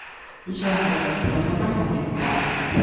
Iso aumenta os problemas articulares.